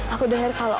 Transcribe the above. aku dengar kamu bilang